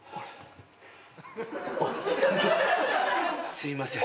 すいません。